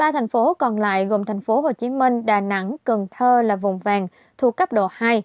ba thành phố còn lại gồm thành phố hồ chí minh đà nẵng cần thơ là vùng vàng thuộc cấp độ hai